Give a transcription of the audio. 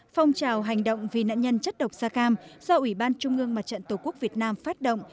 phong trào hành động vì nạn nhân chất độc da cam do ủy ban trung ương mặt trận tổ quốc việt nam phát động